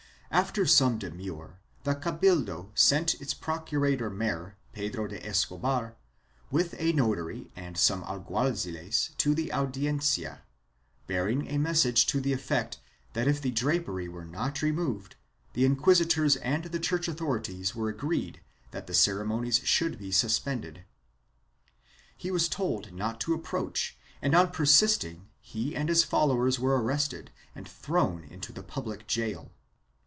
After some demur, the cabildo sent its procurador mayor, Pedro de Escobar, with a notary and some alguaziles to the Audiencia, bearing a message to the effect that if the drapery were not removed, the inquisitors and the church authorities were agreed that the ceremonies should be suspended. He was told not to approach and on persisting he and his followers were arrested and thrown into the public gaol.